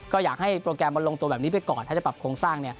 ก็อยากให้โปรแกรมมันลงตัวแบบนี้ไปก่อนถ้าจะปรับโครงสร้าง